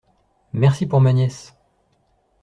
Merci pour ma nièce…